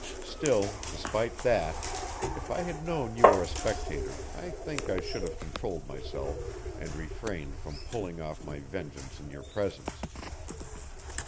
Still, despite that, if I had known you were a spectator I think I should have controlled myself and refrained from pulling off my vengeance in your presence.